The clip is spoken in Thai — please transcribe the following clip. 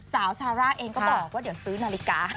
สาวซาร่าเองก็บอกว่าเดี๋ยวซื้อนาฬิกา